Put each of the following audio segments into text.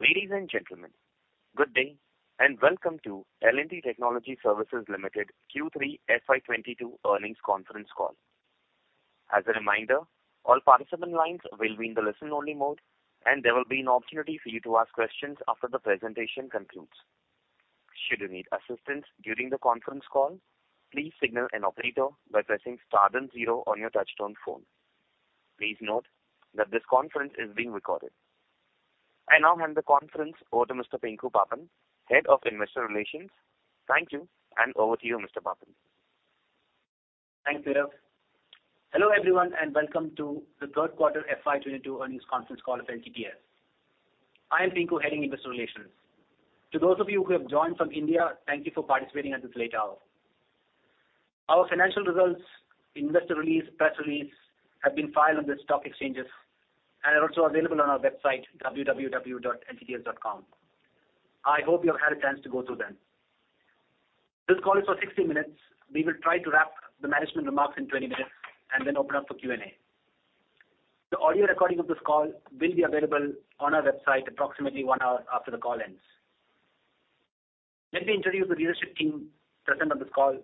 Ladies and gentlemen, good day, and welcome to L&T Technology Services Limited Q3 FY 2022 earnings conference call. As a reminder, all participant lines will be in the listen-only mode, and there will be an opportunity for you to ask questions after the presentation concludes. Should you need assistance during the conference call, please signal an operator by pressing star then zero on your touchtone phone. Please note that this conference is being recorded. I now hand the conference over to Mr. Pinku Pappan, Head of Investor Relations. Thank you, and over to you, Mr. Pappan. Thanks, Viraj. Hello, everyone, and welcome to the third quarter FY 2022 earnings conference call of LTTS. I am Pinku, heading investor relations. To those of you who have joined from India, thank you for participating at this late hour. Our financial results, investor release, press release have been filed on the stock exchanges and are also available on our website, www.ltts.com. I hope you have had a chance to go through them. This call is for 60 minutes. We will try to wrap the management remarks in 20 minutes and then open up for Q&A. The audio recording of this call will be available on our website approximately 1 hour after the call ends. Let me introduce the leadership team present on this call.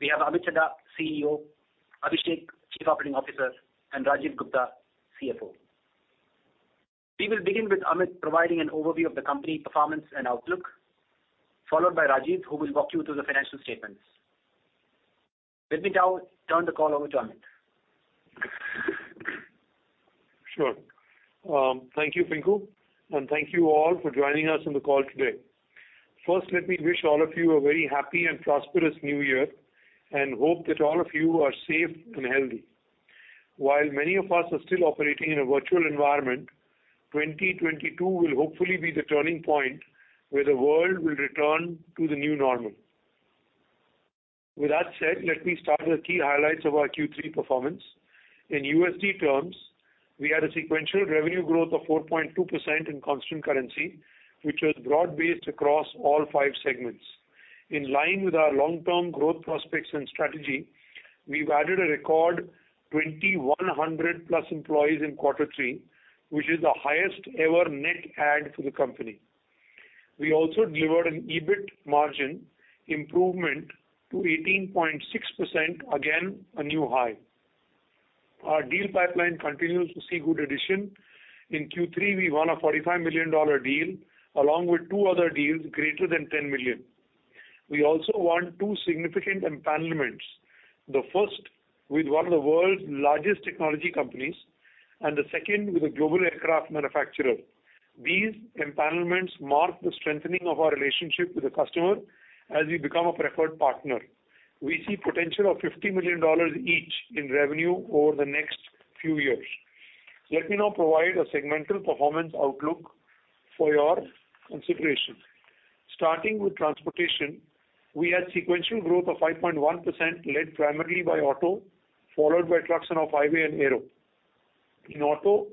We have Amit Chadha, CEO, Abhishek, Chief Operating Officer, and Rajeev Gupta, CFO. We will begin with Amit providing an overview of the company performance and outlook, followed by Rajeev, who will walk you through the financial statements. Let me now turn the call over to Amit. Sure. Thank you, Pinku, and thank you all for joining us on the call today. First, let me wish all of you a very happy and prosperous new year and hope that all of you are safe and healthy. While many of us are still operating in a virtual environment, 2022 will hopefully be the turning point where the world will return to the new normal. With that said, let me start with key highlights of our Q3 performance. In USD terms, we had a sequential revenue growth of 4.2% in constant currency, which was broad-based across all five segments. In line with our long-term growth prospects and strategy, we've added a record 2,100+ employees in quarter three, which is the highest ever net add for the company. We also delivered an EBIT margin improvement to 18.6%, again, a new high. Our deal pipeline continues to see good addition. In Q3, we won a $45 million deal along with two other deals greater than $10 million. We also won two significant empanelments. The first with one of the world's largest technology companies, and the second with a global aircraft manufacturer. These empanelments mark the strengthening of our relationship with the customer as we become a preferred partner. We see potential of $50 million each in revenue over the next few years. Let me now provide a segmental performance outlook for your consideration. Starting with transportation, we had sequential growth of 5.1% led primarily by auto, followed by T&OH and aero. In auto,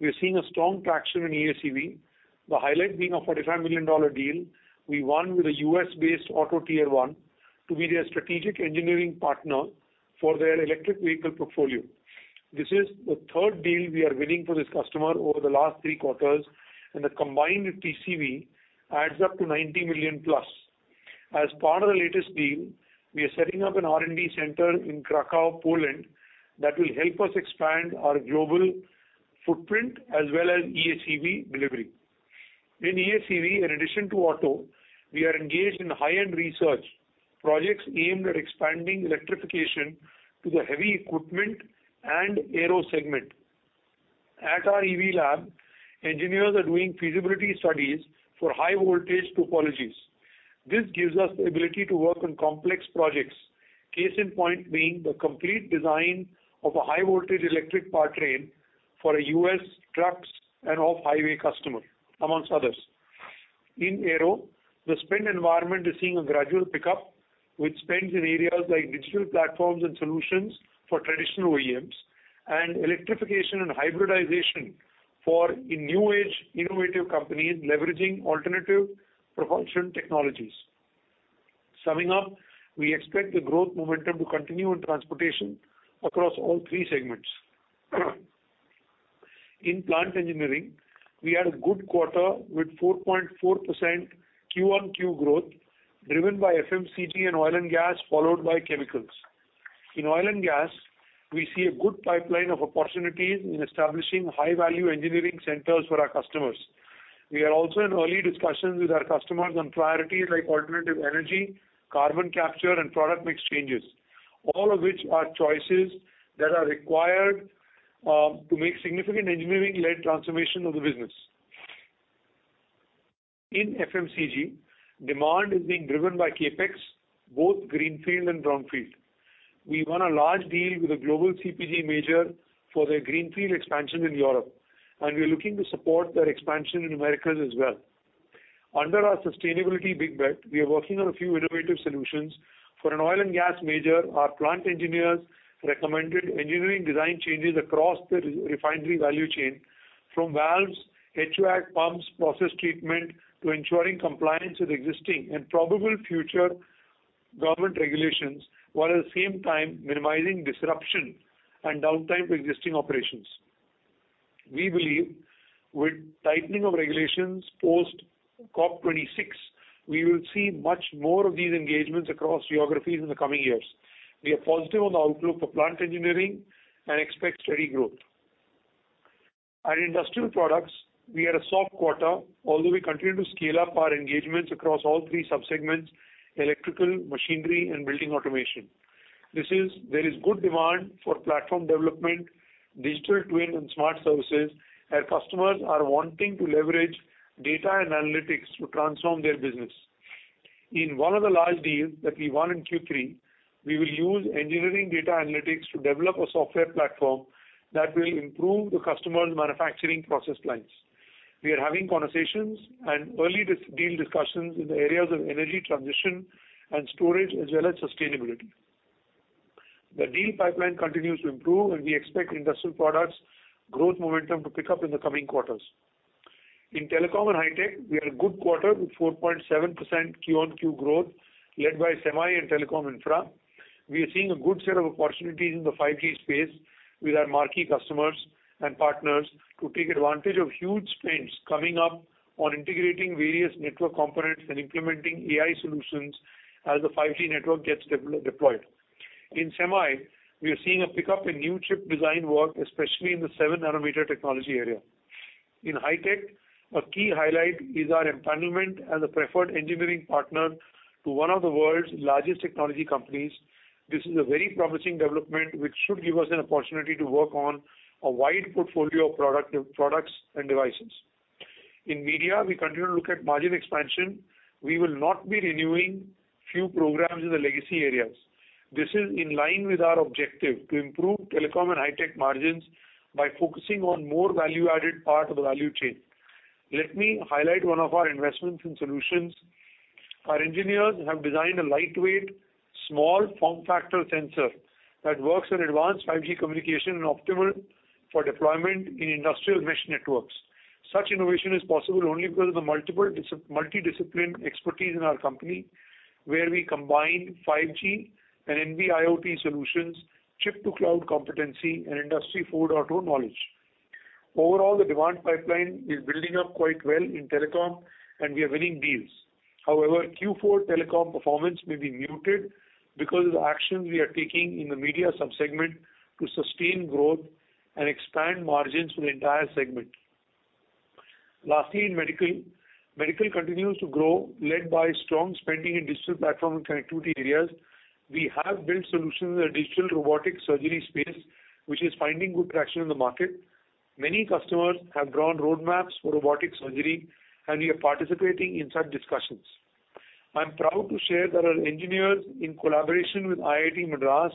we are seeing a strong traction in e:HEV, the highlight being a $45 million deal we won with a U.S.-based auto tier one to be their strategic engineering partner for their electric vehicle portfolio. This is the third deal we are winning for this customer over the last three quarters, and the combined TCV adds up to $90 million+. As part of the latest deal, we are setting up an R&D center in Kraków, Poland, that will help us expand our global footprint as well as e:HEV delivery. In e:HEV, in addition to auto, we are engaged in high-end research projects aimed at expanding electrification to the heavy equipment and aero segment. At our EV lab, engineers are doing feasibility studies for high-voltage topologies. This gives us the ability to work on complex projects. Case in point being the complete design of a high-voltage electric powertrain for a U.S. trucks and off-highway customer, among others. In aero, the spend environment is seeing a gradual pickup with spends in areas like digital platforms and solutions for traditional OEMs and electrification and hybridization for new-age innovative companies leveraging alternative propulsion technologies. Summing up, we expect the growth momentum to continue in transportation across all three segments. In plant engineering, we had a good quarter with 4.4% Q-o-Q growth driven by FMCG and oil and gas, followed by chemicals. In oil and gas, we see a good pipeline of opportunities in establishing high-value engineering centers for our customers. We are also in early discussions with our customers on priorities like alternative energy, carbon capture and product mix changes, all of which are choices that are required to make significant engineering-led transformation of the business. In FMCG, demand is being driven by CapEx, both greenfield and brownfield. We won a large deal with a global CPG major for their greenfield expansion in Europe, and we are looking to support their expansion in Americas as well. Under our sustainability big bet, we are working on a few innovative solutions. For an oil and gas major, our plant engineers recommended engineering design changes across the re-refinery value chain from valves, HVAC pumps, process treatment to ensuring compliance with existing and probable future government regulations, while at the same time minimizing disruption and downtime to existing operations. We believe with tightening of regulations post COP26, we will see much more of these engagements across geographies in the coming years. We are positive on the outlook for plant engineering and expect steady growth. At industrial products, we had a soft quarter, although we continue to scale up our engagements across all three sub-segments, electrical, machinery, and building automation. There is good demand for platform development, digital twin, and smart services, as customers are wanting to leverage data and analytics to transform their business. In one of the large deals that we won in Q3, we will use engineering data analytics to develop a software platform that will improve the customer's manufacturing process lines. We are having conversations and early deal discussions in the areas of energy transition and storage, as well as sustainability. The deal pipeline continues to improve, and we expect industrial products growth momentum to pick up in the coming quarters. In telecom and high tech, we had a good quarter with 4.7% Q-on-Q growth led by semi and telecom infra. We are seeing a good set of opportunities in the 5G space with our marquee customers and partners to take advantage of huge spends coming up on integrating various network components and implementing AI solutions as the 5G network gets deployed. In semi, we are seeing a pickup in new chip design work, especially in the 7 nm technology area. In high tech, a key highlight is our empanelment as a preferred engineering partner to one of the world's largest technology companies. This is a very promising development which should give us an opportunity to work on a wide portfolio of products and devices. In media, we continue to look at margin expansion. We will not be renewing few programs in the legacy areas. This is in line with our objective to improve telecom and high tech margins by focusing on more value-added part of the value chain. Let me highlight one of our investments in solutions. Our engineers have designed a lightweight, small form factor sensor that works on advanced 5G communication and optimal for deployment in industrial mesh networks. Such innovation is possible only because of the multi-discipline expertise in our company, where we combine 5G and NB-IoT solutions, chip to cloud competency, and Industry 4.0 knowledge. Overall, the demand pipeline is building up quite well in telecom and we are winning deals. However, Q4 telecom performance may be muted because of the actions we are taking in the media sub-segment to sustain growth and expand margins for the entire segment. Lastly, in medical. Medical continues to grow, led by strong spending in digital platform and connectivity areas. We have built solutions in the digital robotic surgery space, which is finding good traction in the market. Many customers have drawn roadmaps for robotic surgery, and we are participating in such discussions. I am proud to share that our engineers, in collaboration with IIT Madras,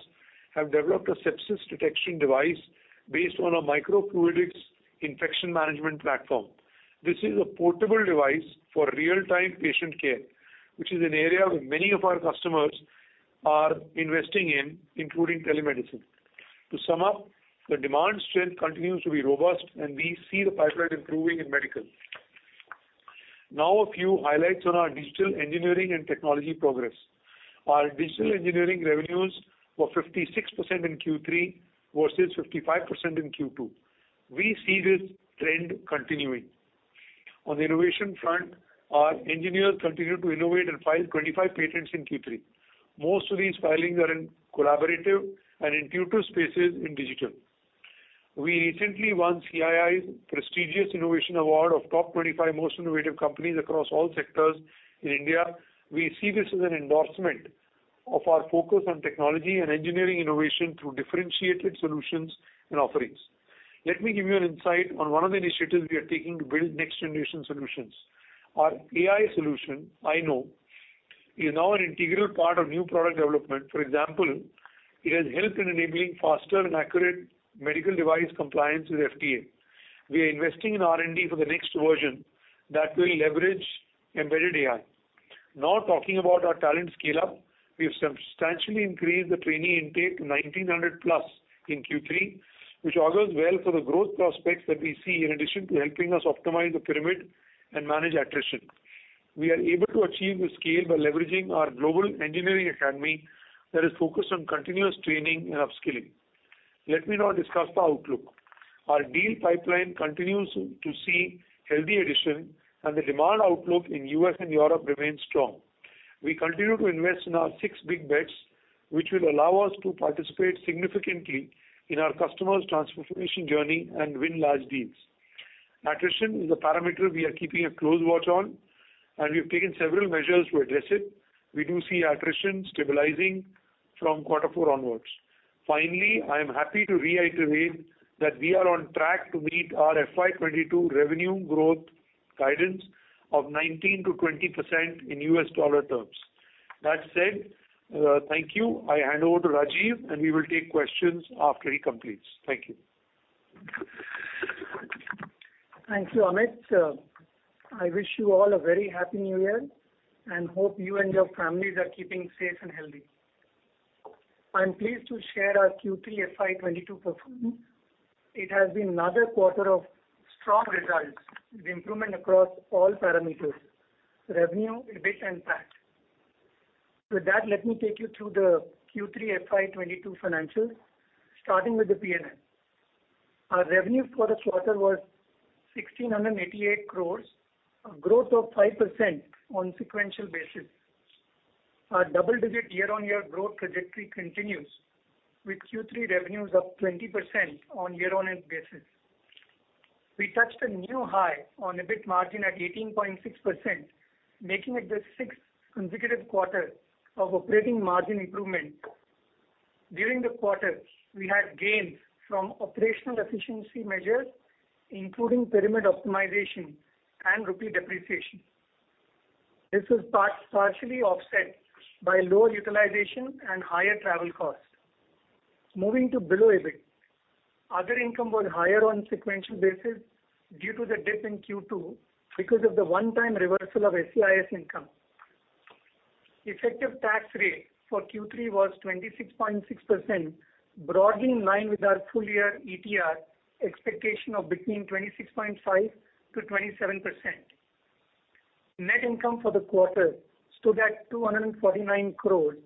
have developed a sepsis detection device based on a microfluidics infection management platform. This is a portable device for real-time patient care, which is an area where many of our customers are investing in, including telemedicine. To sum up, the demand strength continues to be robust, and we see the pipeline improving in medical. Now a few highlights on our digital engineering and technology progress. Our digital engineering revenues were 56% in Q3 versus 55% in Q2. We see this trend continuing. On the innovation front, our engineers continued to innovate and filed 25 patents in Q3. Most of these filings are in collaborative and intuitive spaces in digital. We recently won CII's prestigious innovation award of top 25 most innovative companies across all sectors in India. We see this as an endorsement of our focus on technology and engineering innovation through differentiated solutions and offerings. Let me give you an insight on one of the initiatives we are taking to build next generation solutions. Our AI solution, AiKno, is now an integral part of new product development. For example, it has helped in enabling faster and accurate medical device compliance with FDA. We are investing in R&D for the next version that will leverage embedded AI. Now talking about our talent scale-up. We have substantially increased the trainee intake 1,900+ in Q3, which augurs well for the growth prospects that we see in addition to helping us optimize the pyramid and manage attrition. We are able to achieve this scale by leveraging our Global Engineering Academy that is focused on continuous training and upskilling. Let me now discuss the outlook. Our deal pipeline continues to see healthy addition and the demand outlook in U.S. and Europe remains strong. We continue to invest in our six big bets, which will allow us to participate significantly in our customers' transformation journey and win large deals. Attrition is a parameter we are keeping a close watch on, and we've taken several measures to address it. We do see attrition stabilizing from quarter four onwards. Finally, I am happy to reiterate that we are on track to meet our FY 2022 revenue growth guidance of 19%-20% in U.S. dollar terms. That said, thank you. I hand over to Rajeev, and we will take questions after he completes. Thank you. Thank you, Amit. I wish you all a very happy new year and hope you and your families are keeping safe and healthy. I'm pleased to share our Q3 FY 2022 performance. It has been another quarter of strong results with improvement across all parameters, revenue, EBIT and PAT. With that, let me take you through the Q3 FY 2022 financials, starting with the P&L. Our revenue for the quarter was 1,688 crores, a growth of 5% on sequential basis. Our double digit year-on-year growth trajectory continues with Q3 revenues up 20% on year-on-year basis. We touched a new high on EBIT margin at 18.6%, making it the sixth consecutive quarter of operating margin improvement. During the quarter, we had gains from operational efficiency measures, including pyramid optimization and rupee depreciation. This was partially offset by lower utilization and higher travel costs. Moving to below EBIT. Other income was higher on sequential basis due to the dip in Q2 because of the one-time reversal of SEIS income. Effective tax rate for Q3 was 26.6%, broadly in line with our full year ETR expectation of between 26.5%-27%. Net income for the quarter stood at 249 crores,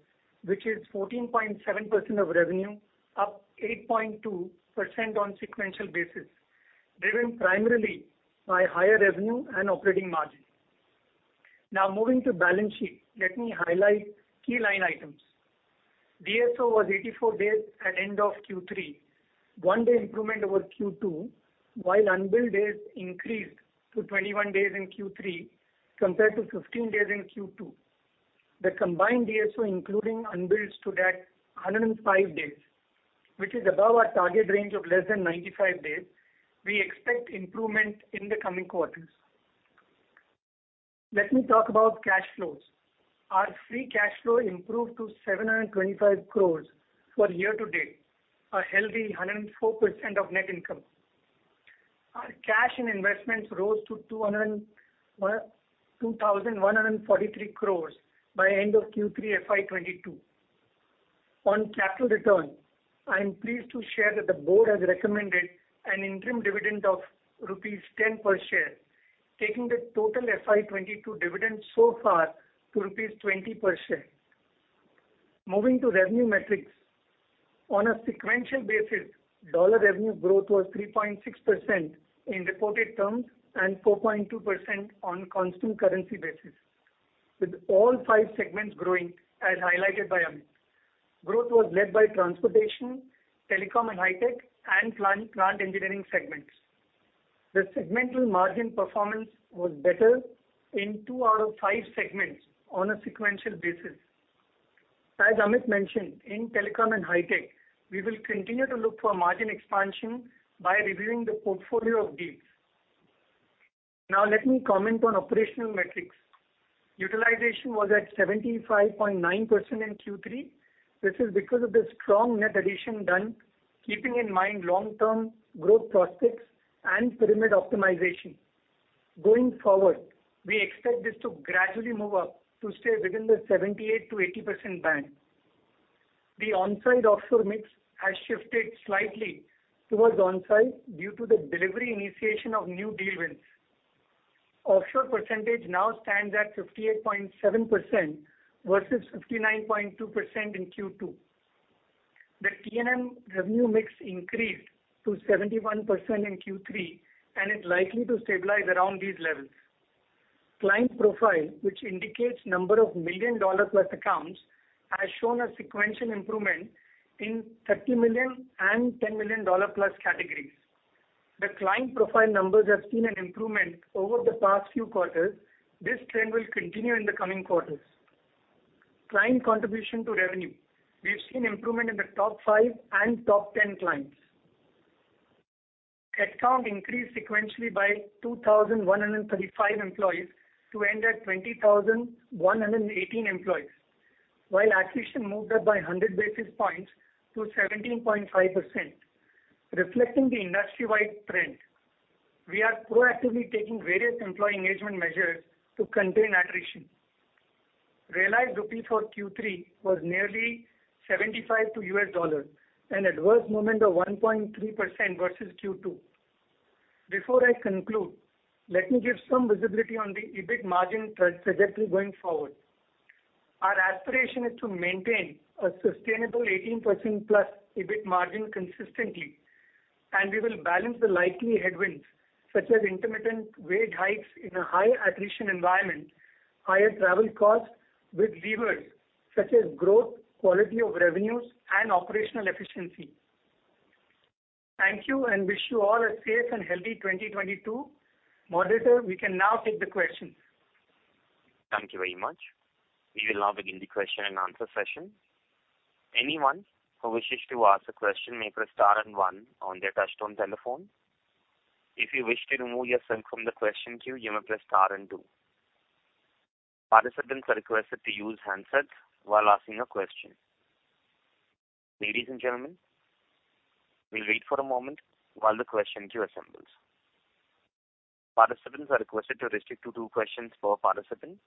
which is 14.7% of revenue, up 8.2% on sequential basis, driven primarily by higher revenue and operating margin. Now moving to balance sheet, let me highlight key line items. DSO was 84 days at end of Q3, one day improvement over Q2, while unbilled days increased to 21 days in Q3 compared to 15 days in Q2. The combined DSO, including unbilled, stood at 105 days, which is above our target range of less than 95 days. We expect improvement in the coming quarters. Let me talk about cash flows. Our free cash flow improved to 725 crore for year to date, a healthy 104% of net income. Our cash and investments rose to 2,143 crore by end of Q3 FY 2022. On capital return, I am pleased to share that the board has recommended an interim dividend of rupees 10 per share, taking the total FY 2022 dividend so far to rupees 20 per share. Moving to revenue metrics. On a sequential basis, dollar revenue growth was 3.6% in reported terms and 4.2% on constant currency basis, with all five segments growing as highlighted by Amit. Growth was led by transportation, telecom and hi-tech and plant engineering segments. The segmental margin performance was better in two out of five segments on a sequential basis. As Amit mentioned, in telecom and hi-tech, we will continue to look for margin expansion by reviewing the portfolio of deals. Now let me comment on operational metrics. Utilization was at 75.9% in Q3. This is because of the strong net addition done keeping in mind long-term growth prospects and pyramid optimization. Going forward, we expect this to gradually move up to stay within the 78%-80% band. The onsite-offshore mix has shifted slightly towards onsite due to the delivery initiation of new deal wins. Offshore percentage now stands at 58.7% versus 59.2% in Q2. The T&M revenue mix increased to 71% in Q3, and it's likely to stabilize around these levels. Client profile, which indicates number of $1 million+ accounts, has shown a sequential improvement in $30 million and $10 million+ categories. The client profile numbers have seen an improvement over the past few quarters. This trend will continue in the coming quarters. Client contribution to revenue. We've seen improvement in the top five and top ten clients. Headcount increased sequentially by 2,135 employees to end at 20,118 employees, while attrition moved up by 100 basis points to 17.5%, reflecting the industry-wide trend. We are proactively taking various employee engagement measures to contain attrition. Realized rupee for Q3 was nearly 75 to the U.S. dollar, an adverse movement of 1.3% versus Q2. Before I conclude, let me give some visibility on the EBIT margin trajectory going forward. Our aspiration is to maintain a sustainable 18%+ EBIT margin consistently, and we will balance the likely headwinds such as intermittent wage hikes in a high attrition environment, higher travel costs with levers such as growth, quality of revenues, and operational efficiency. Thank you, and I wish you all a safe and healthy 2022. Moderator, we can now take the questions. Thank you very much. We will now begin the question and answer session. Anyone who wishes to ask a question may press star and one on their touchtone telephone. If you wish to remove yourself from the question queue, you may press star and two. Participants are requested to use handsets while asking a question. Ladies and gentlemen, we'll wait for a moment while the question queue assembles. Participants are requested to restrict to two questions per participant.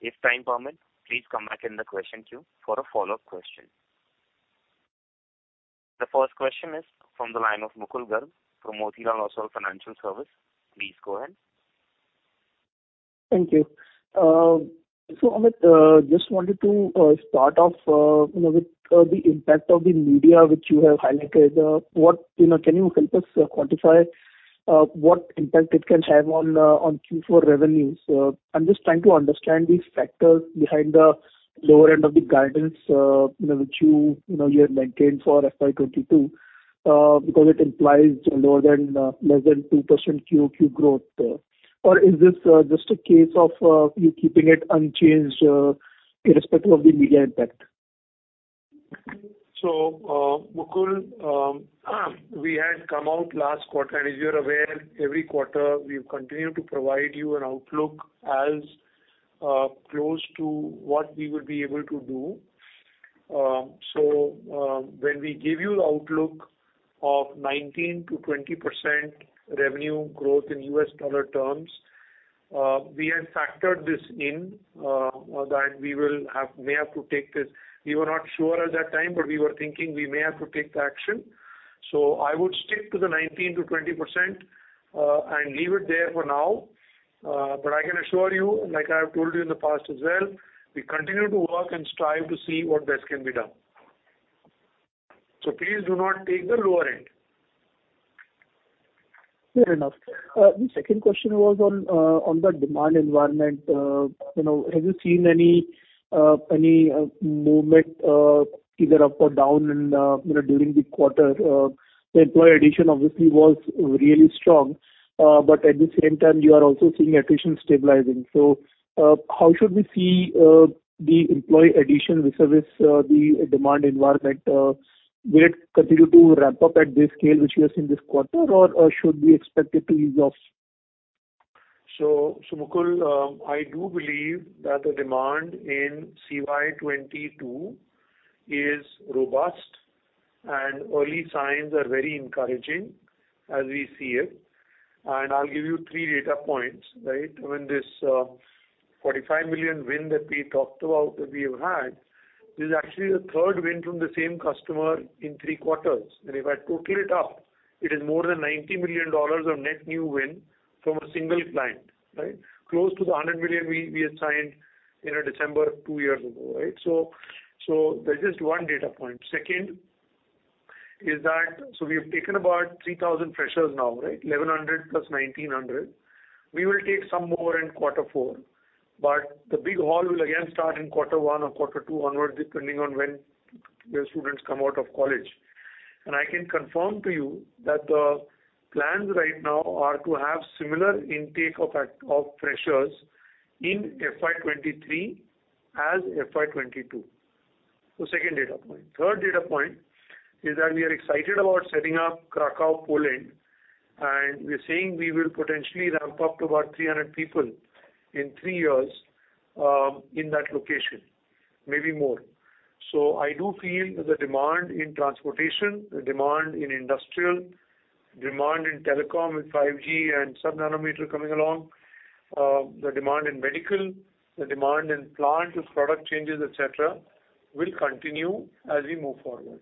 If time permits, please come back in the question queue for a follow-up question. The first question is from the line of Mukul Garg from Motilal Oswal Financial Services. Please go ahead. Thank you. So Amit, just wanted to start off, you know, with the impact of the macro which you have highlighted. You know, can you help us quantify what impact it can have on Q4 revenues? I'm just trying to understand these factors behind the lower end of the guidance, you know, which you have maintained for FY 2022, because it implies less than 2% Q-o-Q growth. Or is this just a case of you keeping it unchanged, irrespective of the macro impact? Mukul, we had come out last quarter. As you're aware, every quarter we've continued to provide you an outlook as close to what we would be able to do. When we give you the outlook of 19%-20% revenue growth in U.S. dollar terms, we had factored this in, that we may have to take this. We were not sure at that time, but we were thinking we may have to take the action. I would stick to the 19%-20%, and leave it there for now. I can assure you, like I have told you in the past as well, we continue to work and strive to see what best can be done. Please do not take the lower end. Fair enough. The second question was on the demand environment. You know, have you seen any movement either up or down in, you know, during the quarter? The employee addition obviously was really strong, but at the same time, you are also seeing attrition stabilizing. How should we see the employee addition vis-a-vis the demand environment? Will it continue to ramp up at this scale which we have seen this quarter, or should we expect it to ease off? Mukul, I do believe that the demand in CY 22 is robust and early signs are very encouraging as we see it. I'll give you three data points, right? When this $45 million win that we talked about that we have had, this is actually the third win from the same customer in three quarters. If I total it up, it is more than $90 million of net new win from a single client, right? Close to the $100 million we had signed in December two years ago, right? That's just one data point. Second is that we have taken about 3,000 freshers now, right? 1,100+ 1,900. We will take some more in quarter four, but the big haul will again start in quarter one or quarter two onwards, depending on when the students come out of college. I can confirm to you that the plans right now are to have similar intake of of freshers in FY 2023 as FY 2022. The second data point. Third data point is that we are excited about setting up Kraków, Poland, and we are saying we will potentially ramp up to about 300 people in three years in that location, maybe more. I do feel the demand in transportation, the demand in industrial, demand in telecom with 5G and sub-7 nanometer coming along, the demand in medical, the demand in plant with product changes, et cetera, will continue as we move forward.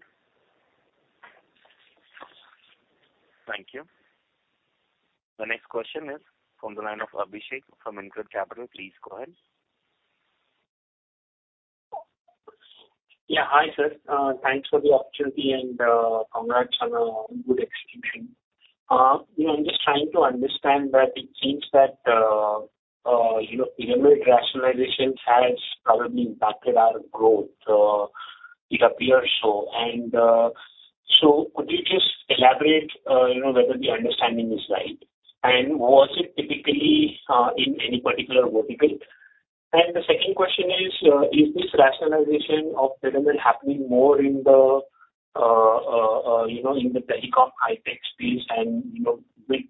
Thank you. The next question is from the line of Abhishek from InCred Capital. Please go ahead. Yeah, hi, sir. Thanks for the opportunity and congrats on a good execution. You know, I'm just trying to understand that it seems that you know, pyramid rationalization has probably impacted our growth, it appears so. Could you just elaborate you know, whether the understanding is right? Was it typically in any particular vertical? The second question is this rationalization of pyramid happening more in the you know, in the telecom, high-tech space and you know, with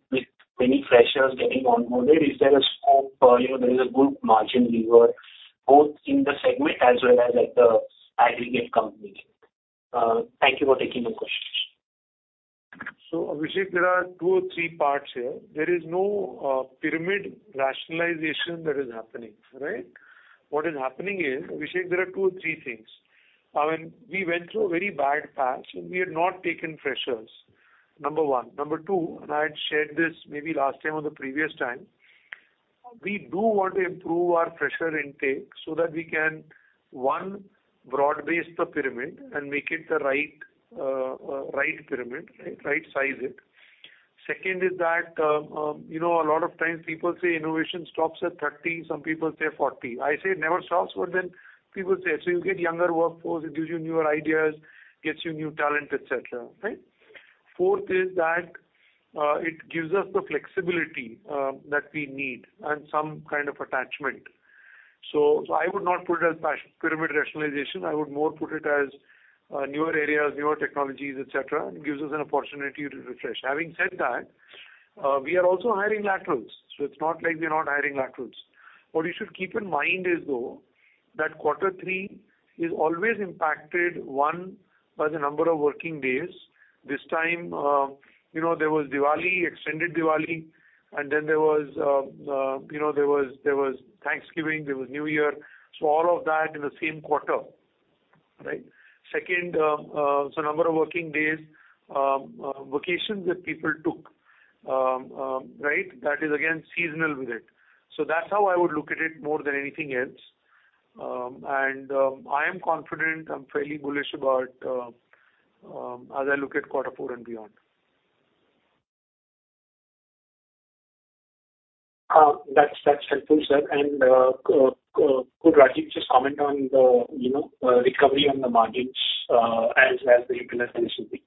many freshers getting onboarded, is there a scope or you know, there is a good margin lever both in the segment as well as at the aggregate company level? Thank you for taking the questions. Abhishek, there are two or three parts here. There is no pyramid rationalization that is happening, right? What is happening is, Abhishek, there are two or three things. When we went through a very bad patch, and we had not taken freshers, number one. Number two, and I had shared this maybe last time or the previous time, we do want to improve our fresher intake so that we can, one, broad-base the pyramid and make it the right pyramid, right-size it. Second is that, you know, a lot of times people say innovation stops at 30, some people say 40. I say it never stops. People say, so you get younger workforce, it gives you newer ideas, gets you new talent, et cetera, right? Fourth is that it gives us the flexibility that we need and some kind of attachment. So I would not put it as pyramid rationalization. I would more put it as newer areas, newer technologies, et cetera. It gives us an opportunity to refresh. Having said that, we are also hiring laterals, so it's not like we are not hiring laterals. What you should keep in mind is, though, that quarter three is always impacted, one, by the number of working days. This time, you know, there was Diwali, extended Diwali, and then there was Thanksgiving, there was New Year. So all of that in the same quarter, right? Second, so number of working days, vacations that people took, right? That is again seasonal with it. That's how I would look at it more than anything else. I am confident, I'm fairly bullish about, as I look at quarter four and beyond. That's helpful, sir. Could Rajeev just comment on the, you know, recovery on the margins, as the regular finish would be?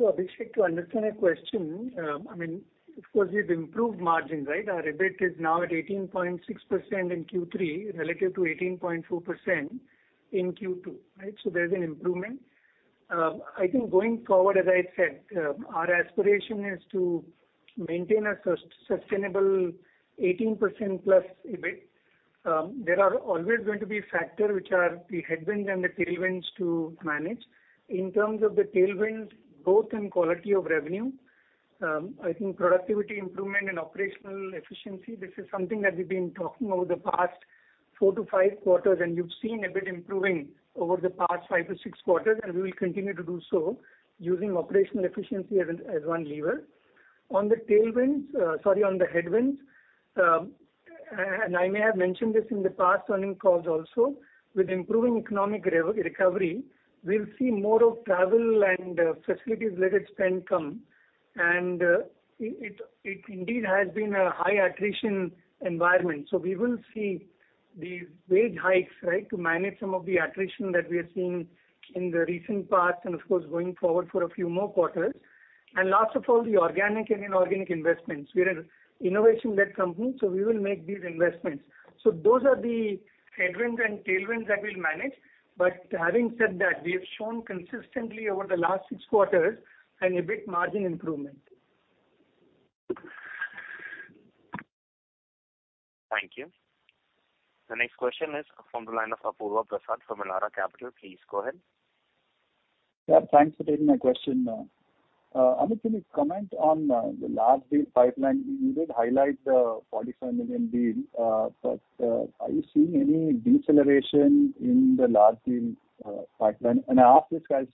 Abhishek, to understand your question, I mean, of course, we've improved margin, right? Our EBIT is now at 18.6% in Q3 relative to 18.2% in Q2, right? There's an improvement. I think going forward, as I said, our aspiration is to maintain a sustainable 18%+ EBIT. There are always going to be factors which are the headwinds and the tailwinds to manage. In terms of the tailwinds, growth and quality of revenue, I think productivity improvement and operational efficiency, this is something that we've been talking over the past four-five quarters, and you've seen EBIT improving over the past five-six quarters, and we will continue to do so using operational efficiency as one lever. On the headwinds, I may have mentioned this in the past earnings calls also, with improving economic recovery, we'll see more of travel and facilities-led spend come. It indeed has been a high attrition environment. We will see these wage hikes, right, to manage some of the attrition that we are seeing in the recent past and of course, going forward for a few more quarters. Last of all, the organic and inorganic investments. We're an innovation-led company, so we will make these investments. Those are the headwinds and tailwinds that we'll manage. Having said that, we have shown consistently over the last six quarters an EBIT margin improvement. Thank you. The next question is from the line of Apurva Prasad from Elara Capital. Please go ahead. Yeah, thanks for taking my question. Amit, can you comment on the large deal pipeline? You did highlight the $47 million deal, but are you seeing any deceleration in the large deal pipeline? I ask this as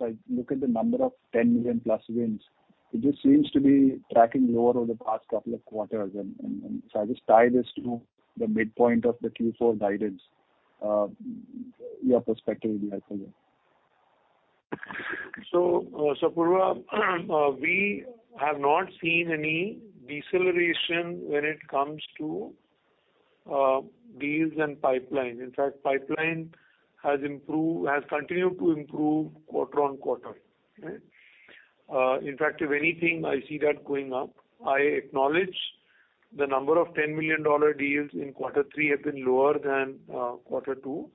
I look at the number of $10 million+ wins. It just seems to be tracking lower over the past couple of quarters. So I just tie this to the midpoint of the Q4 guidance. Your perspective would be helpful here. Apurva, we have not seen any deceleration when it comes to deals and pipeline. In fact, pipeline has continued to improve quarter-over-quarter. Okay? In fact, if anything, I see that going up. I acknowledge the number of $10 million deals in quarter three have been lower than quarter two.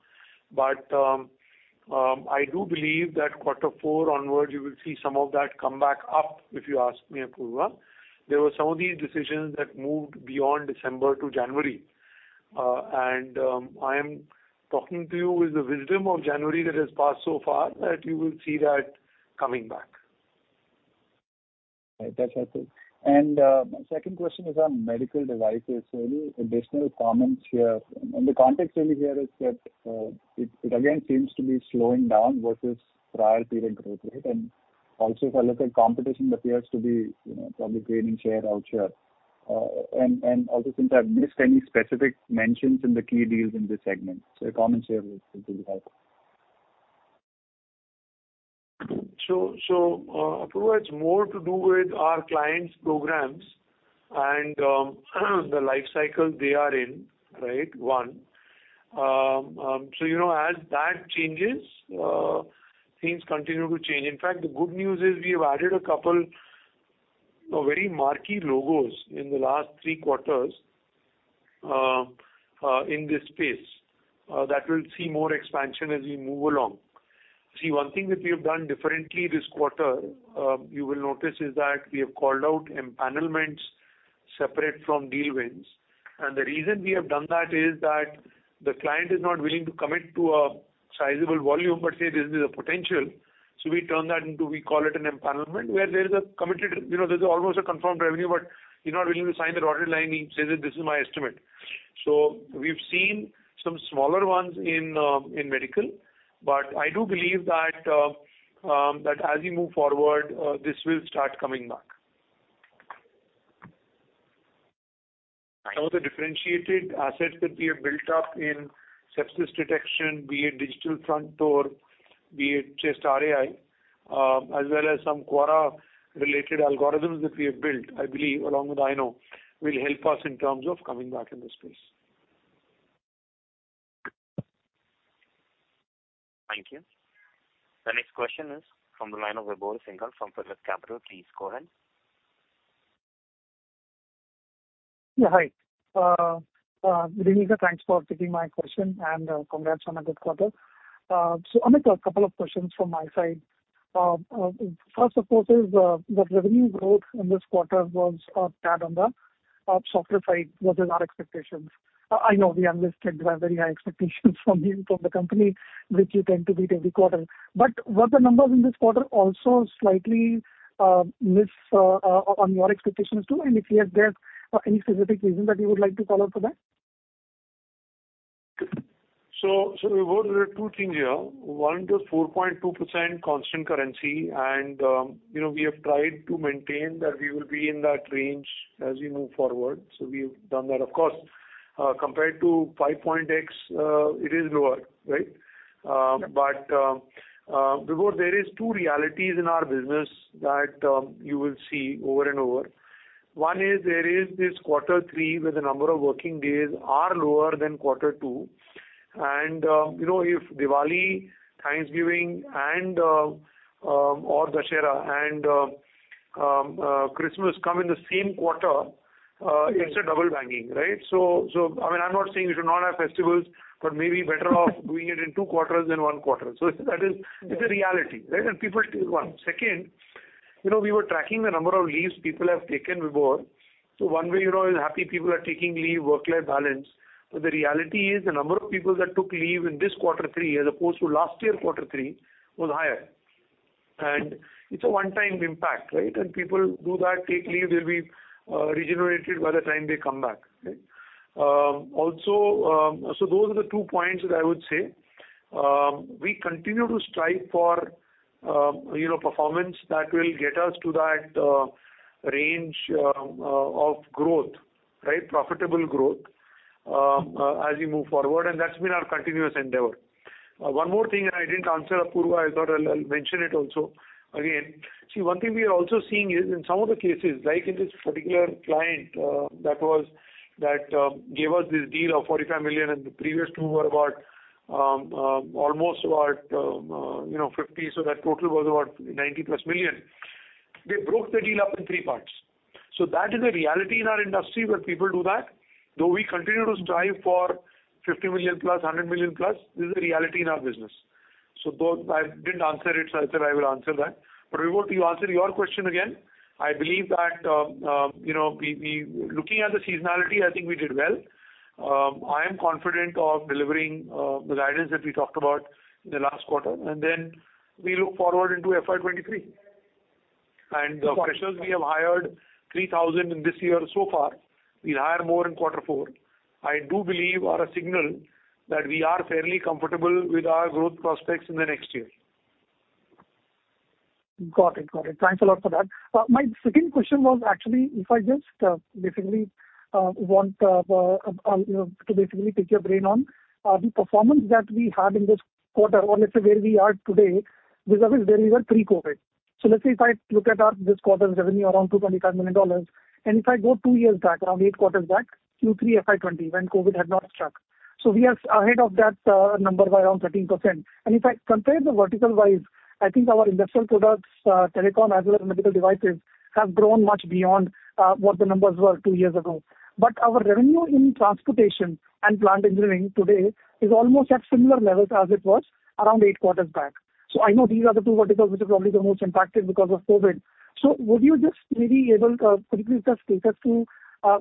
I do believe that quarter four onwards, you will see some of that come back up, if you ask me, Apurva. There were some of these decisions that moved beyond December to January. I am talking to you with the wisdom of January that has passed so far, that you will see that coming back. That's helpful. My second question is on medical devices. Any additional comments here? The context really here is that it again seems to be slowing down versus prior period growth rate. Also if I look at competition appears to be, you know, probably gaining share out here. Also since I've missed any specific mentions in the key deals in this segment. Your comments here would be helpful. Apurva, it's more to do with our clients' programs and the life cycle they are in, right? You know, as that changes, things continue to change. In fact, the good news is we have added a couple of very marquee logos in the last three quarters in this space that will see more expansion as we move along. See, one thing that we have done differently this quarter you will notice is that we have called out empanelments separate from deal wins. The reason we have done that is that the client is not willing to commit to a sizable volume, but say this is a potential. We turn that into, we call it an empanelment. Where there is a committed, you know, there's almost a confirmed revenue, but he's not willing to sign the dotted line. He says that this is my estimate. We've seen some smaller ones in medical, but I do believe that as we move forward, this will start coming back. Some of the differentiated assets that we have built up in sepsis detection, be it digital front door, be it Chest rAI, as well as some Quartus Thank you. The next question is from the line of Vibhor Singhal from PhillipCapital. Please go ahead. Yeah, hi. Amit, thanks for taking my question, and congrats on a good quarter. Amit, a couple of questions from my side. First of course is the revenue growth in this quarter was tad on the softer side versus our expectations. I know we understand we have very high expectations from you, from the company, which you tend to beat every quarter. Were the numbers in this quarter also slightly miss on your expectations too? If yes, there are any specific reasons that you would like to call out for that? Vibhor, there are two things here. One is just 4.2% constant currency, you know, we have tried to maintain that we will be in that range as we move forward, so we've done that. Of course, compared to 5.X%, it is lower, right? But Vibhor, there is two realities in our business that you will see over and over. One is there is this quarter three, where the number of working days are lower than quarter two. You know, if Diwali, Thanksgiving and or Dussehra and Christmas come in the same quarter, it's a double banging, right? I mean, I'm not saying we should not have festivals, but maybe better off doing it in two quarters than one quarter. That is, it's a reality, right? People still want. Second, we were tracking the number of leaves people have taken, Vibhor. One way is happy people are taking leave, work-life balance. The reality is the number of people that took leave in this quarter three as opposed to last year quarter three was higher. It's a one-time impact, right? People who do that, take leave, they'll be regenerated by the time they come back, right? Also, those are the two points that I would say. We continue to strive for performance that will get us to that range of growth, right, profitable growth, as we move forward, and that's been our continuous endeavor. One more thing and I didn't answer Apurva. I thought I'll mention it also again. See, one thing we are also seeing is in some of the cases, like in this particular client that gave us this deal of $45 million, and the previous two were about almost you know 50. That total was about $90+ million. They broke the deal up in three parts. That is a reality in our industry, where people do that. Though we continue to strive for $50 million+, $100 million+, this is a reality in our business. Those I didn't answer it, so I said I will answer that. Vibhor, to answer your question again, I believe that you know we looking at the seasonality, I think we did well. I am confident of delivering the guidance that we talked about in the last quarter. Then we look forward into FY 2023. The freshers we have hired, 3,000 in this year so far, we'll hire more in quarter four, I do believe are a signal that we are fairly comfortable with our growth prospects in the next year. Got it. Thanks a lot for that. My second question was actually if I just, basically, want you know to basically pick your brain on the performance that we had in this quarter or let's say where we are today vis-à-vis where we were pre-COVID. Let's say if I look at this quarter's revenue around $225 million, and if I go two years back, around eight quarters back, Q3 FY 2020 when COVID had not struck. We are ahead of that number by around 13%. If I compare the vertical wise, I think our industrial products, telecom as well as medical devices have grown much beyond what the numbers were two years ago. Our revenue in transportation and plant engineering today is almost at similar levels as it was around eight quarters back. I know these are the two verticals which are probably the most impacted because of COVID. Would you just maybe quickly take us through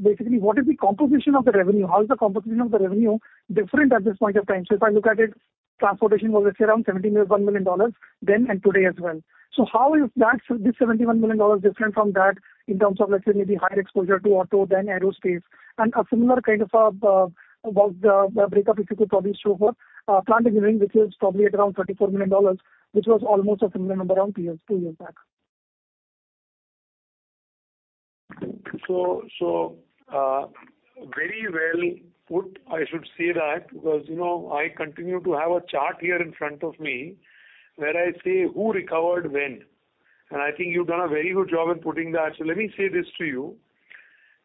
basically what is the composition of the revenue? How is the composition of the revenue different at this point of time? If I look at it, transportation was let's say around $71 million then and today as well. How is that, this $71 million different from that in terms of let's say maybe higher exposure to auto than aerospace? A similar kind of about the breakup if you could probably show for plant engineering, which is probably at around $34 million, which was almost a similar number around two years back. Very well put, I should say that, because, you know, I continue to have a chart here in front of me where I say who recovered when. I think you've done a very good job in putting that. Let me say this to you.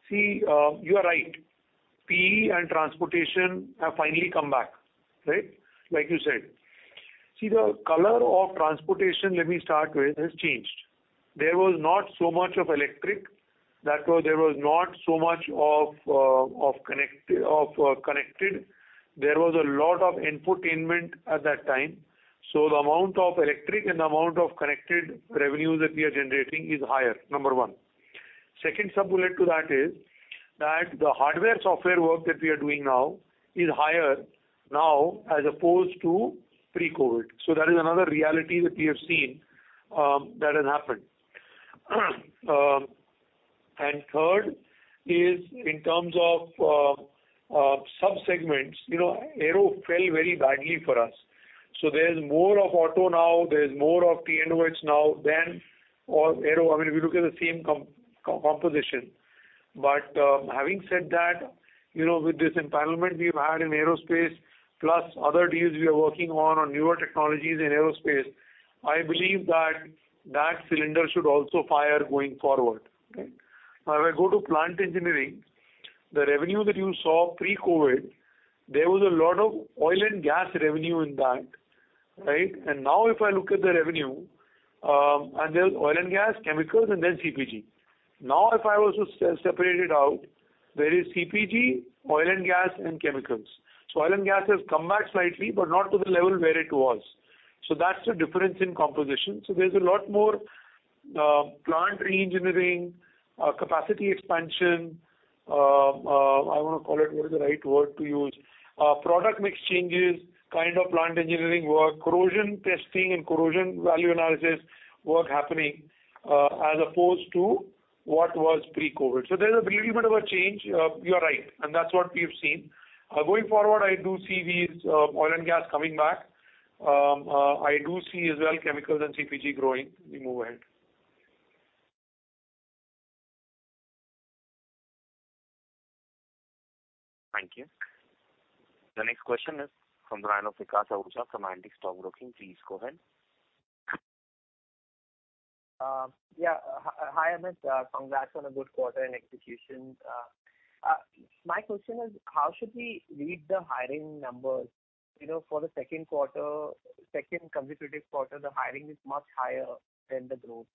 See, you are right. PE and transportation have finally come back, right? Like you said. See, the color of transportation, let me start with, has changed. There was not so much of electric. There was not so much of connected. There was a lot of infotainment at that time. The amount of electric and the amount of connected revenue that we are generating is higher, number one. Second sub-bullet to that is that the hardware software work that we are doing now is higher now as opposed to pre-COVID. That is another reality that we have seen, that has happened. Third is in terms of sub-segments. You know, aero fell very badly for us. There's more of auto now, there's more of T&OH now than all aero. I mean, if you look at the same composition. Having said that, you know, with this empowerment we've had in aerospace plus other deals we are working on newer technologies in aerospace, I believe that that cylinder should also fire going forward. Okay. Now, if I go to plant engineering, the revenue that you saw pre-COVID, there was a lot of oil and gas revenue in that, right? Now if I look at the revenue, and there's oil and gas, chemicals and then CPG. Now if I was to separate it out. There is CPG, oil and gas, and chemicals. Oil and gas has come back slightly, but not to the level where it was. That's the difference in composition. There's a lot more, plant re-engineering, capacity expansion, I wanna call it. What is the right word to use? Product mix changes, kind of plant engineering work, corrosion testing and corrosion value analysis work happening, as opposed to what was pre-COVID. There's a little bit of a change. You are right, and that's what we have seen. Going forward, I do see these, oil and gas coming back. I do see as well chemicals and CPG growing as we move ahead. Thank you. The next question is from the line of Vikas Ahuja from Antique Stock Broking. Please go ahead. Hi, Amit. Congrats on a good quarter and execution. My question is: how should we read the hiring numbers? You know, for the second quarter, second consecutive quarter, the hiring is much higher than the growth.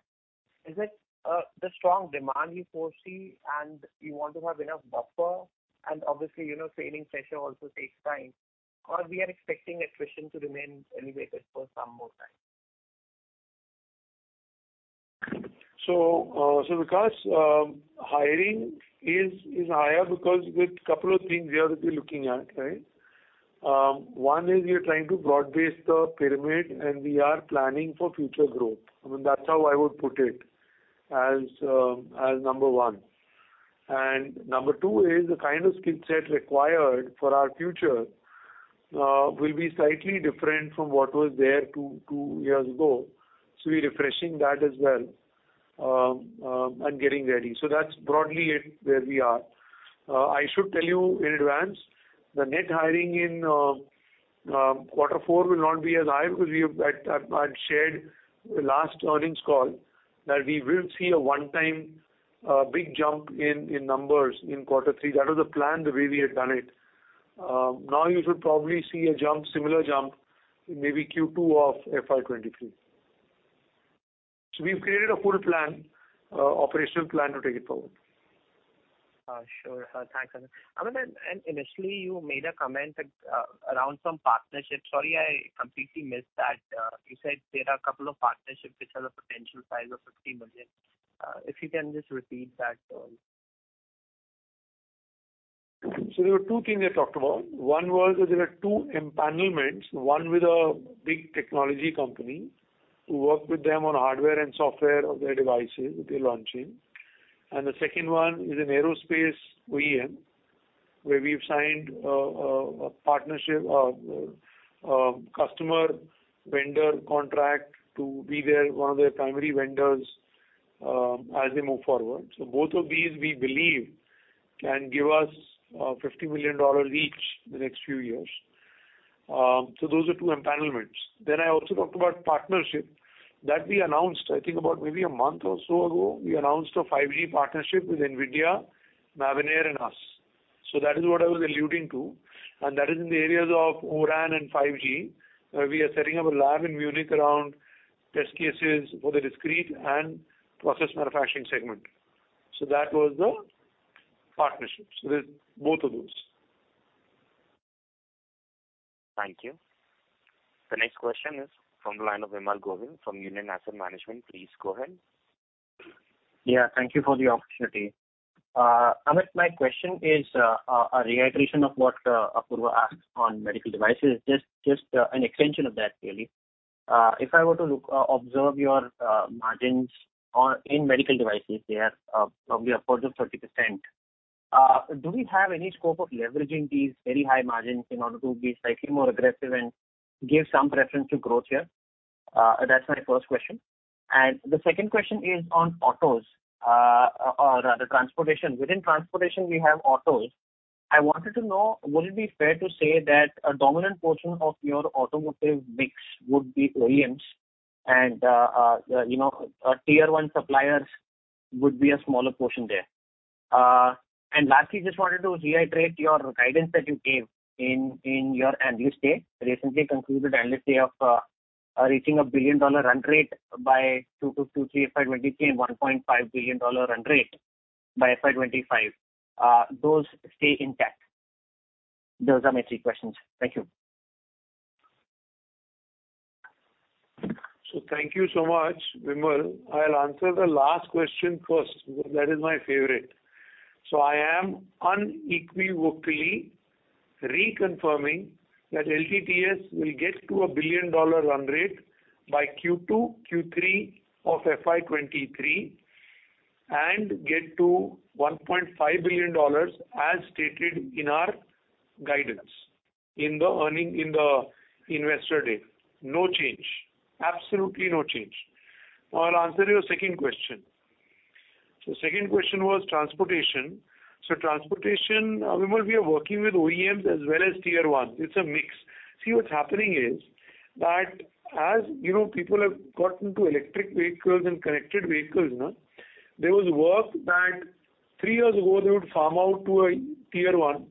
Is it the strong demand you foresee and you want to have enough buffer, and obviously, you know, training pressure also takes time? Or we are expecting attrition to remain elevated for some more time? Vikas, hiring is higher because with couple of things we are to be looking at, right? One is we are trying to broad base the pyramid, and we are planning for future growth. I mean, that's how I would put it as number one. Number two is the kind of skill set required for our future will be slightly different from what was there two years ago, so we're refreshing that as well and getting ready. That's broadly it, where we are. I should tell you in advance, the net hiring in quarter four will not be as high, as I'd shared in the last earnings call, that we will see a one-time big jump in numbers in quarter three. That was the plan, the way we had done it. Now you should probably see a jump, similar jump in maybe Q2 of FY 2023. We've created a full plan, operational plan to take it forward. Sure. Thanks, Amit. Initially you made a comment around some partnerships. Sorry, I completely missed that. You said there are a couple of partnerships which have a potential size of 50 million. If you can just repeat that. There were two things I talked about. One was that there are two empanelments, one with a big technology company to work with them on hardware and software of their devices that they're launching. The second one is an aerospace OEM, where we've signed a partnership, a customer-vendor contract to be one of their primary vendors, as they move forward. Both of these, we believe, can give us $50 million each the next few years. Those are two empanelments. Then I also talked about partnership that we announced, I think, about maybe a month or so ago. We announced a 5G partnership with NVIDIA, Mavenir and us. That is what I was alluding to, and that is in the areas of O-RAN and 5G, where we are setting up a lab in Munich around test cases for the discrete and process manufacturing segment. That was the partnership. There's both of those. Thank you. The next question is from the line of Vimal Gohil from Union Asset Management. Please go ahead. Thank you for the opportunity. Amit, my question is a reiteration of what Apurva asked on medical devices. It is an extension of that, really. If I were to observe your margins in medical devices there, probably 25%-30%, do we have any scope of leveraging these very high margins in order to be slightly more aggressive and give some preference to growth here? That's my first question. The second question is on autos or the transportation. Within transportation, we have autos. I wanted to know, would it be fair to say that a dominant portion of your automotive mix would be OEMs and you know, Tier 1 suppliers would be a smaller portion there? Lastly, just wanted to reiterate your guidance that you gave in your recently concluded Analyst Day of reaching a $1 billion run rate by 2023 FY 2023 and $1.5 billion run rate by FY 2025. Those stay intact? Those are my three questions. Thank you. Thank you so much, Vimal. I'll answer the last question first. That is my favorite. I am unequivocally reconfirming that LTTS will get to a billion-dollar run rate by Q2, Q3 of FY 2023, and get to $1.5 billion as stated in our guidance in the earnings, in the Investor Day. No change. Absolutely no change. I'll answer your second question. Second question was transportation. Transportation, Vimal, we are working with OEMs as well as Tier 1. It's a mix. See, what's happening is that as, you know, people have got into electric vehicles and connected vehicles now, there was work that three years ago they would farm out to a Tier 1.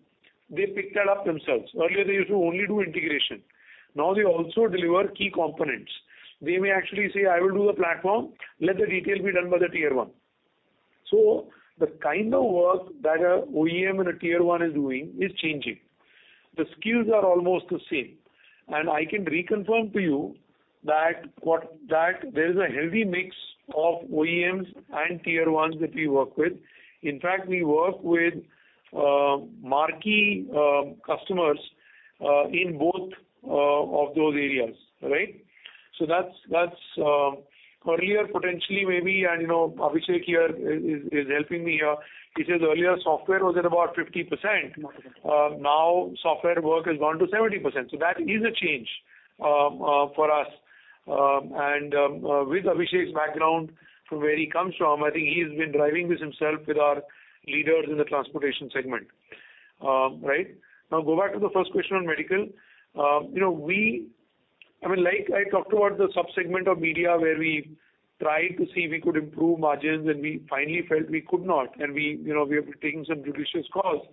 They picked that up themselves. Earlier, they used to only do integration. Now they also deliver key components. They may actually say, "I will do the platform, let the detail be done by the tier one." The kind of work that a OEM and a tier one is doing is changing. The skills are almost the same. I can reconfirm to you that there is a healthy mix of OEMs and tier ones that we work with. In fact, we work with marquee customers in both of those areas, right? That's earlier, potentially, maybe, and you know, Abhishek here is helping me here. He says earlier software was at about 50%. Mm-hmm. Now software work has gone to 70%. That is a change for us. With Abhishek's background, from where he comes from, I think he's been driving this himself with our leaders in the transportation segment. Right. Now go back to the first question on medical. You know, I mean, like I talked about the sub-segment of MedTech where we tried to see if we could improve margins, and we finally felt we could not, and we, you know, we have taken some judicious calls.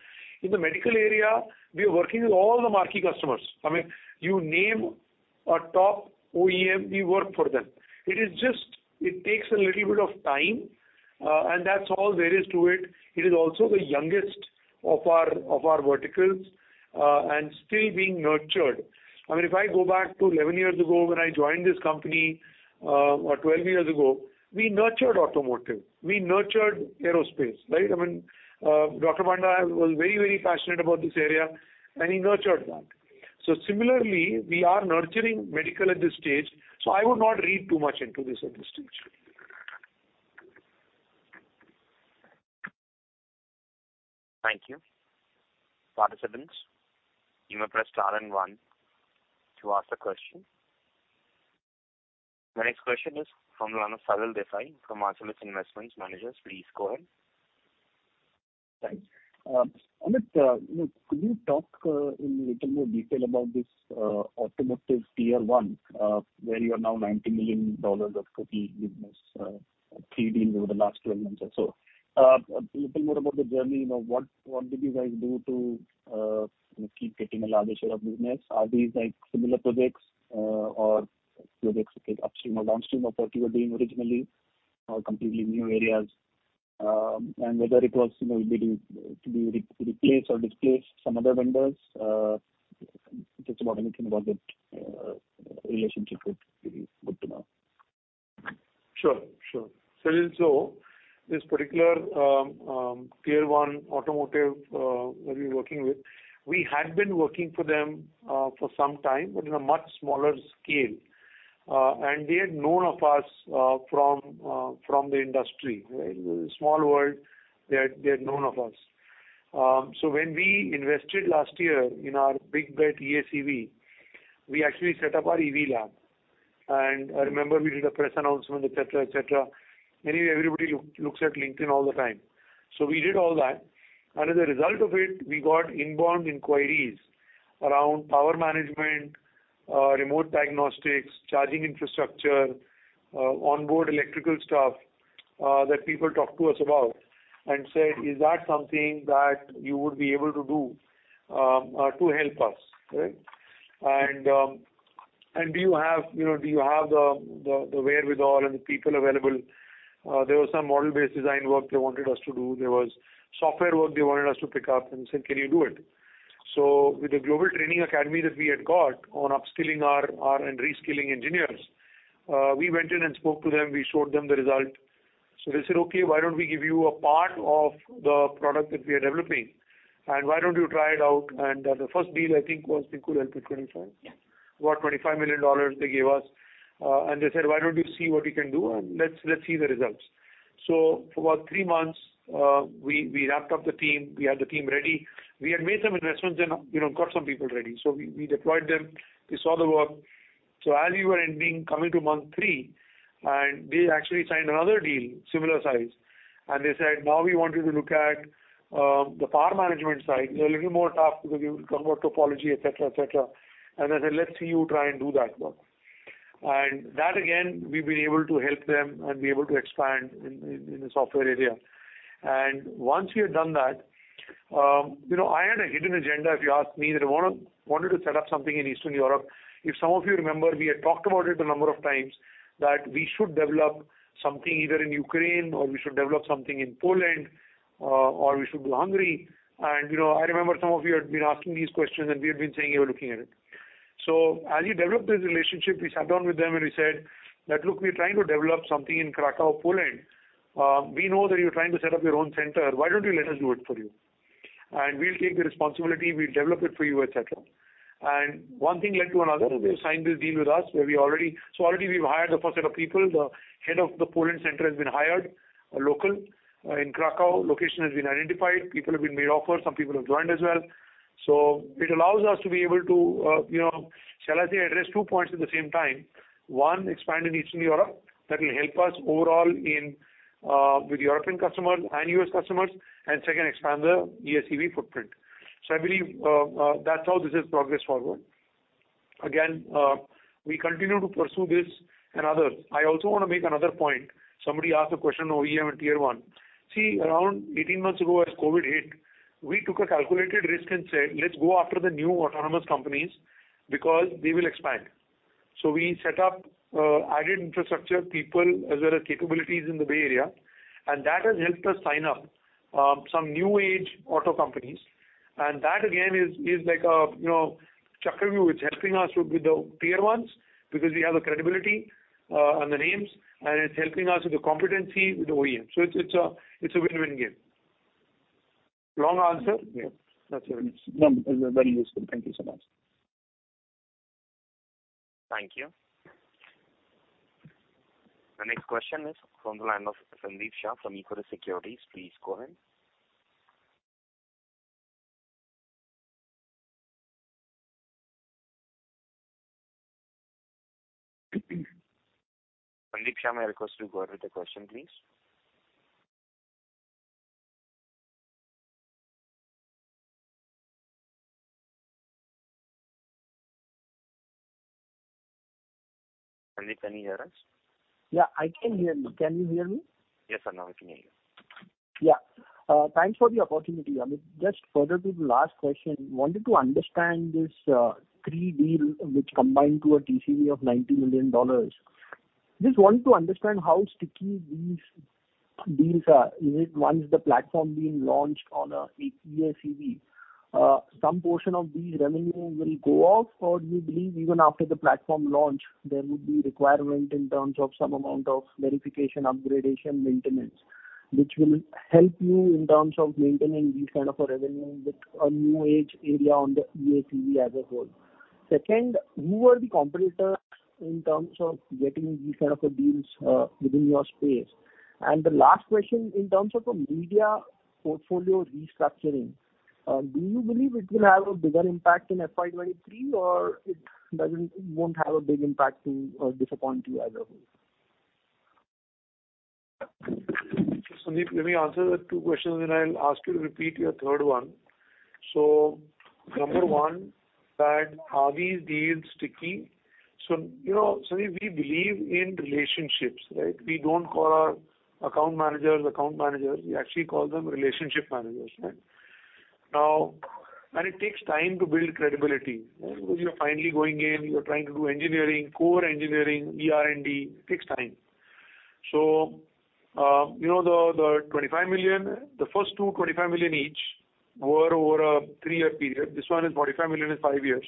In the medical area, we are working with all the marquee customers. I mean, you name a top OEM, we work for them. It is just. It takes a little bit of time, and that's all there is to it. It is also the youngest of our verticals and still being nurtured. I mean, if I go back to 11 years ago when I joined this company, or 12 years ago, we nurtured automotive, we nurtured aerospace, right? I mean, Dr. Panda was very, very passionate about this area, and he nurtured that. Similarly, we are nurturing medical at this stage, so I would not read too much into this at this stage. Thank you. Participants, you may press star and one to ask a question. The next question is from the line of Salil Desai from Marcellus Investment Managers. Please go ahead. Thanks. Amit, you know, could you talk in a little more detail about this automotive tier one, where you are now $90 million of core business, three deals over the last 12 months or so. A little more about the journey, you know, what did you guys do to keep getting a larger share of business? Are these like similar projects or projects like upstream or downstream of what you were doing originally or completely new areas? And whether it was, you know, maybe to replace or displace some other vendors, just about anything about that relationship would be good to know. Sure. Salil, this particular tier one automotive that we're working with, we had been working for them for some time but in a much smaller scale. They had known of us from the industry, right? Small world, they had known of us. When we invested last year in our big bet EACV, we actually set up our EV lab. I remember we did a press announcement, et cetera. Anyway, everybody looks at LinkedIn all the time. We did all that. As a result of it, we got inbound inquiries around power management, remote diagnostics, charging infrastructure, onboard electrical stuff, that people talked to us about and said, "Is that something that you would be able to do to help us?" Right? Do you have, you know, the wherewithal and the people available?" There was some model-based design work they wanted us to do. There was software work they wanted us to pick up and said, "Can you do it?" With the Global Engineering Academy that we had got on upskilling our and reskilling engineers, we went in and spoke to them, we showed them the result. They said, "Okay, why don't we give you a part of the product that we are developing, and why don't you try it out?" The first deal I think was Yeah. About $25 million they gave us. They said, "Why don't you see what you can do, and let's see the results." For about three months, we wrapped up the team. We had the team ready. We had made some investments and, you know, got some people ready. We deployed them. They saw the work. As we were ending, coming to month three, they actually signed another deal, similar size. They said, "Now we want you to look at the power management side." They're a little more tough because you will cover topology, et cetera. They said, "Let's see you try and do that work." That again, we've been able to help them and be able to expand in the software area. Once we had done that, you know, I had a hidden agenda, if you ask me, that I wanted to set up something in Eastern Europe. If some of you remember, we had talked about it a number of times, that we should develop something either in Ukraine or we should develop something in Poland, or we should do Hungary. You know, I remember some of you had been asking these questions, and we had been saying we are looking at it. As we developed this relationship, we sat down with them and we said that, "Look, we're trying to develop something in Kraków, Poland. We know that you're trying to set up your own center. Why don't you let us do it for you? And we'll take the responsibility, we'll develop it for you, et cetera." One thing led to another. Wonderful. They signed this deal with us. Already we've hired the first set of people. The head of the Poland center has been hired, a local. In Kraków, location has been identified. People have been made offers. Some people have joined as well. It allows us to be able to, you know, shall I say, address two points at the same time. One, expand in Eastern Europe. That will help us overall in with European customers and U.S. customers. Second, expand the EACV footprint. I believe that's how this has progressed forward. Again, we continue to pursue this and others. I also wanna make another point. Somebody asked a question OEM and tier one. See, around 18 months ago as COVID hit, we took a calculated risk and said, "Let's go after the new autonomous companies because they will expand." We set up added infrastructure, people, as well as capabilities in the Bay Area, and that has helped us sign up some new age auto companies. That again is like a, you know, Chakravyuh. It's helping us with the tier ones because we have the credibility and the names, and it's helping us with the competency with OEM. It's a win-win game. Long answer. Yeah. That's very useful. Thank you so much. Thank you. The next question is from the line of Sandeep Shah from Kotak Securities. Please go ahead. Sandeep Shah, may I request you to go ahead with the question, please. Sandeep, can you hear us? Yeah, I can hear you. Can you hear me? Yes, sir. Now we can hear you. Yeah. Thanks for the opportunity, Amit. Just further to the last question, wanted to understand this three deals which combined to a TCV of $90 million. Just want to understand how sticky these deals are. Is it once the platform being launched on an EACV, some portion of these revenues will go off or do you believe even after the platform launch there would be requirement in terms of some amount of verification, upgradation, maintenance, which will help you in terms of maintaining these kind of a revenue with a new age area on the EACV as a whole? Second, who are the competitors in terms of getting these kind of deals, within your space? The last question, in terms of the media portfolio restructuring, do you believe it will have a bigger impact in FY 2023, or it doesn't, won't have a big impact to disappoint you as a whole? Sandeep, let me answer the two questions, and I'll ask you to repeat your third one. Number one, are these deals sticky? You know, Sandeep, we believe in relationships, right? We don't call our account managers account managers. We actually call them relationship managers, right? Now it takes time to build credibility, right? Because you're finally going in, you're trying to do engineering, core engineering, ER&D, it takes time. You know, the 25 million, the first two, $25 million each were over a three year period. This one is $45 million in five years.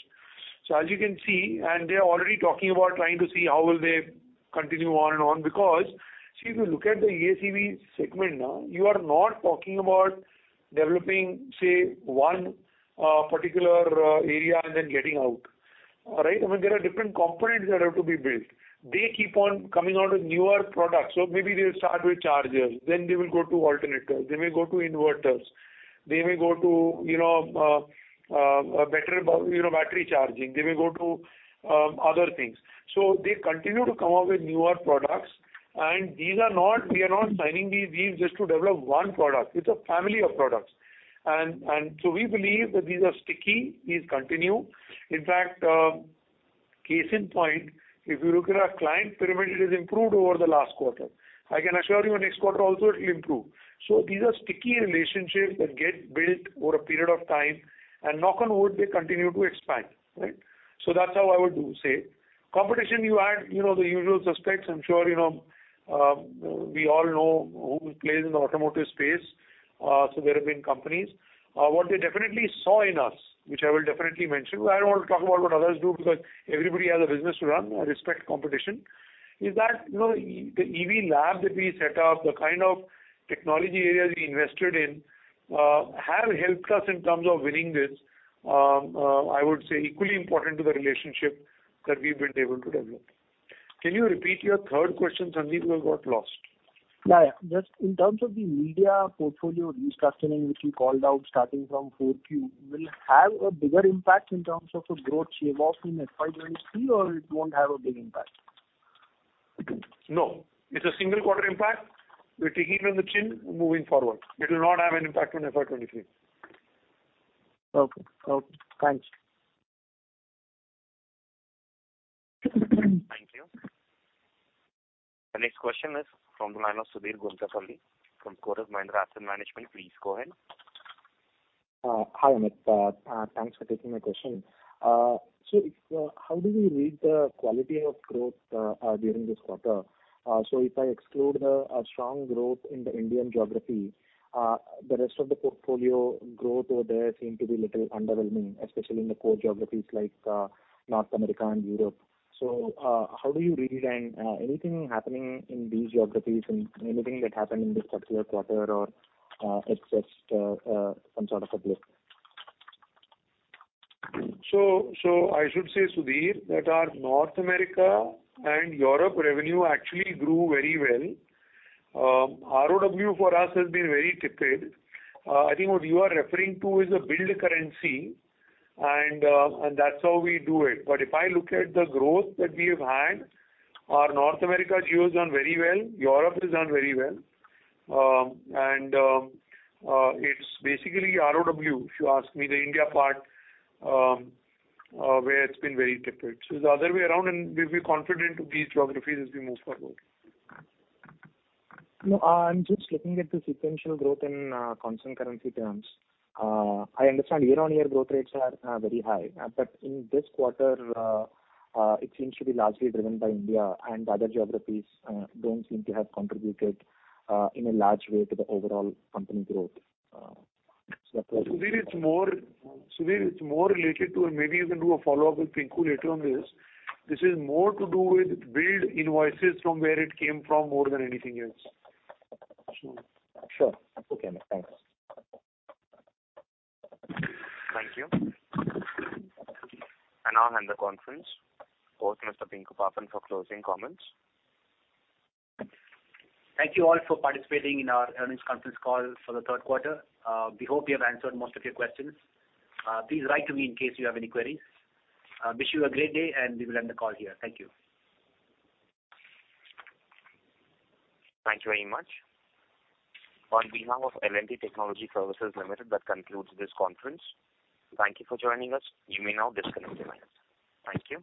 As you can see, and they are already talking about trying to see how will they continue on and on because, see, if you look at the EACV segment now, you are not talking about developing, say, one particular area and then getting out. All right? I mean, there are different components that have to be built. They keep on coming out with newer products. Maybe they'll start with chargers, then they will go to alternators, they may go to inverters, they may go to, you know, a better, you know, battery charging. They may go to other things. They continue to come up with newer products. We are not signing these deals just to develop one product. It's a family of products. We believe that these are sticky, these continue. In fact, case in point, if you look at our client pyramid, it has improved over the last quarter. I can assure you next quarter also it'll improve. These are sticky relationships that get built over a period of time, and knock on wood, they continue to expand, right? That's how I would say. Competition you add, you know the usual suspects. I'm sure you know, we all know who plays in the automotive space. There have been companies. What they definitely saw in us, which I will definitely mention. I don't want to talk about what others do because everybody has a business to run. I respect competition. In that, you know, the EV lab that we set up, the kind of technology areas we invested in, have helped us in terms of winning this. I would say equally important to the relationship that we've been able to develop. Can you repeat your third question, Sandeep? It got lost. Yeah, yeah. Just in terms of the media portfolio restructuring, which you called out starting from Q4, will it have a bigger impact in terms of a growth shape in FY 2023 or it won't have a big impact? No, it's a single quarter impact. We're taking it on the chin, moving forward. It will not have an impact on FY 2023. Okay. Thanks. Thank you. The next question is from the line of Sudheer Guntupalli from Kotak Mahindra Asset Management. Please go ahead. Hi, Amit. Thanks for taking my question. How do you read the quality of growth during this quarter? If I exclude the strong growth in the Indian geography, the rest of the portfolio growth over there seem to be little underwhelming, especially in the core geographies like North America and Europe. How do you read it? Anything happening in these geographies and anything that happened in this particular quarter or it's just some sort of a blip? I should say, Sudheer, that our North America and Europe revenue actually grew very well. ROW for us has been very soft. I think what you are referring to is a billed currency and that's how we do it. If I look at the growth that we have had, our North America geo has done very well, Europe has done very well. It's basically ROW, if you ask me, the India part where it's been very soft. It's the other way around, and we'll be confident to these geographies as we move forward. No, I'm just looking at the sequential growth in constant currency terms. I understand year-on-year growth rates are very high. In this quarter, it seems to be largely driven by India, and the other geographies don't seem to have contributed in a large way to the overall company growth. Sudheer, it's more related to, and maybe you can do a follow-up with Pinku later on this. This is more to do with billed invoices from where it came from more than anything else. Sure, sure. It's okay, Amit. Thanks. Thank you. I now hand the conference over to Mr. Pinku Pappan for closing comments. Thank you all for participating in our earnings conference call for the third quarter. We hope we have answered most of your questions. Please write to me in case you have any queries. Wish you a great day, and we will end the call here. Thank you. Thank you very much. On behalf of L&T Technology Services Limited, that concludes this conference. Thank you for joining us. You may now disconnect your lines. Thank you.